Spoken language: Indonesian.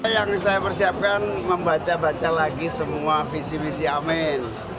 yang saya persiapkan membaca baca lagi semua visi misi amin